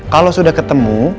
kalau sudah ketemu